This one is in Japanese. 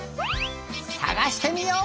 さがしてみよう！